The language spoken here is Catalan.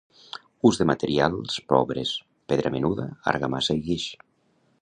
Ús de materials pobres: pedra menuda, argamassa i guix.